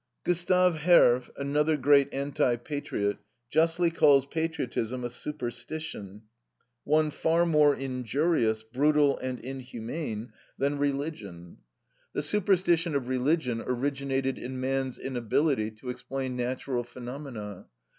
Gustave Herve, another great anti patriot, justly calls patriotism a superstition one far more injurious, brutal, and inhumane than religion. The superstition of religion originated in man's inability to explain natural phenomena.